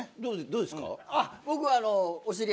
どうですか？